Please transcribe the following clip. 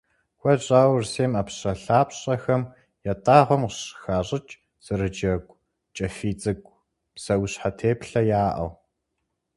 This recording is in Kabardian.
Куэд щӀауэ Урысейм ӀэпщӀэлъапщӀэхэм ятӀагъуэм къыщыхащӀыкӀ зэрыджэгу, кӀэфий цӀыкӀу, псэущхьэ теплъэяӀэу.